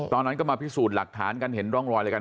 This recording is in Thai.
ตอนนั้นก็มาพิสูจน์หลักฐานกันเห็นร่องรอยอะไรกัน